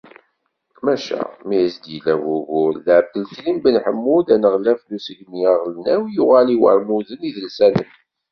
Maca, mi as-d-yella wugur d Ɛebdelkrim Benmeḥmud, aneɣlaf n usegmi aɣelnaw, yuɣal i warmuden idelsanen.